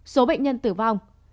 số bệnh nhân tử vong